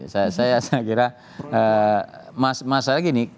saya kira masalah gini